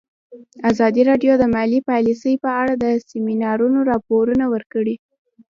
ازادي راډیو د مالي پالیسي په اړه د سیمینارونو راپورونه ورکړي.